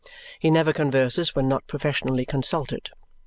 He never converses when not professionally consulted.